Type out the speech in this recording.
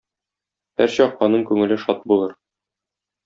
Һәрчак аның күңеле шат булыр.